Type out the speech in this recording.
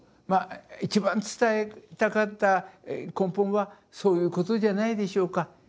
ま一番伝えたかった根本はそういうことじゃないでしょうか。